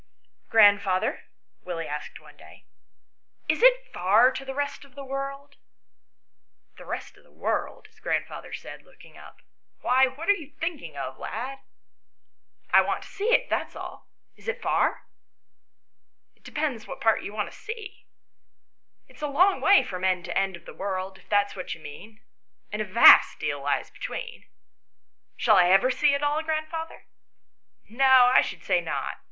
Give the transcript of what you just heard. " Grandfather," Willie asked one day, " is it far to the rest of the world ?"" The rest of the world ?" his grandfather said looking up; "why, what are you thinking of, lad ?"" I want to see it, that is all ; is it far ?" 106 ANYHOW STORIES. [STORY " It depends what part you want to see, it's a long way from end to end of tile world, if that is what you mean; and a vast deal lies between." " Shall I ever see it all, grandfather ?"" No, I should say not.